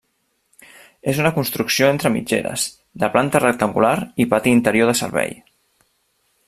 És una construcció entre mitgeres, de planta rectangular i pati interior de servei.